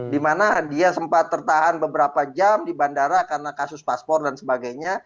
dimana dia sempat tertahan beberapa jam di bandara karena kasus paspor dan sebagainya